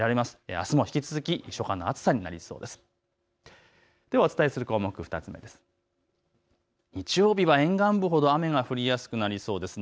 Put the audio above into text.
あすも引き続き初夏の暑さになりそうです。